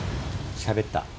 しゃべった。